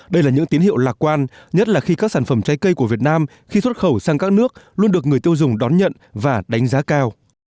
đây là những tín hiệu lạc quan nhất là khi các sản phẩm trái cây của việt nam khi xuất khẩu sang các nước luôn được người tiêu dùng đón nhận và đánh giá cao